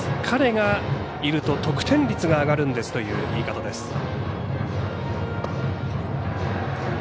彼がいると得点率が上がるんですという言い方です。